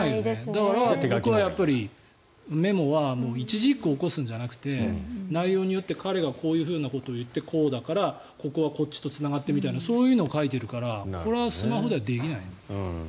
だから、メモは一字一句起こすんじゃなくて内容によって彼がこういうことを言ってこうだから、ここはこっちとつながってみたいなそういうのを書いているからこれはスマホではできない。